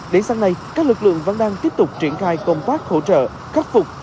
đến sáng nay các lực lượng vẫn đang tiếp tục triển khai công tác hỗ trợ khắc phục